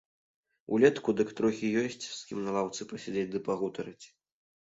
Улетку дык трохі ёсць, з кім на лаўцы пасядзець да пагутарыць.